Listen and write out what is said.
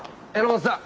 榎本さん！